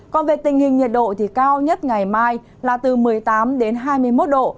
còn về tình hình nhiệt độ thì cao nhất ngày mai là từ một mươi tám đến hai mươi một độ